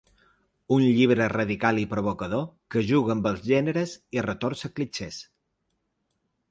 Un llibre radical i provocador que juga amb els gèneres i retorça clixés.